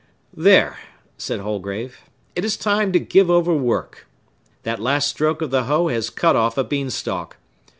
"There," said Holgrave, "it is time to give over work! That last stroke of the hoe has cut off a beanstalk.